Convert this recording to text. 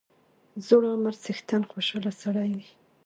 زوړ عمر څښتن خوشاله سړی وو.